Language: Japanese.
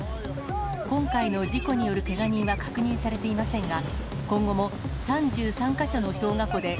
今回の事故によるけが人は確認されていませんが、今後も３３か所の氷河湖で、